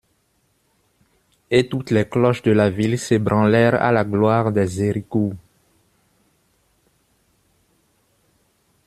Et toutes les cloches de la ville s'ébranlèrent à la gloire des Héricourt.